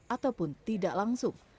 ataupun tidak langsung